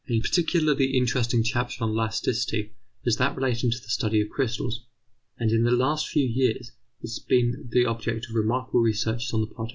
A particularly interesting chapter on elasticity is that relating to the study of crystals; and in the last few years it has been the object of remarkable researches on the part of M.